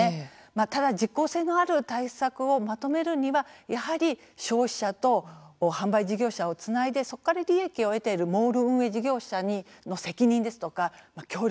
ただ実効性のある対策をまとめるには、やはり消費者と販売事業者をつないでそこから利益を得ているモール運営事業者の責任ですとか協力